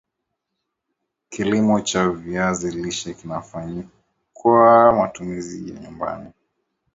kilimo cha viazi lishe kinafanyika kwa matumizi ya nyumbani